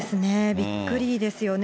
びっくりですよね。